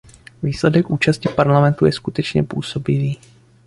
Výsledek účasti Parlamentu je skutečně působivý.